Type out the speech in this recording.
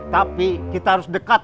tapi kita harus dekat